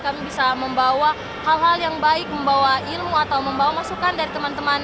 kami bisa membawa hal hal yang baik membawa ilmu atau membawa masukan dari teman teman